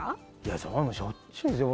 それはもうしょっちゅうですよ